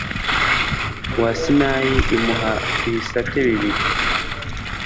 Wa sinayi imuha ibisate bibiri